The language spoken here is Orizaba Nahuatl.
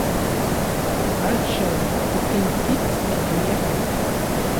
Axan, okinkitski miakej.